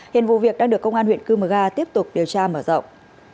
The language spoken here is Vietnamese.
hiện vụ việc đang được công an huyện cư mờ ga tiếp tục điều tra mở rộng